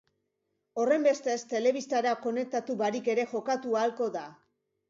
Horrenbestez, telebistara konektatu barik ere jokatu ahalko da.